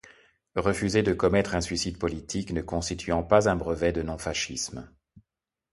Refuser de commettre un suicide politique ne constituant pas un brevet de non fascisme.